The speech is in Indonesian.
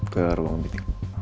ke ruang meeting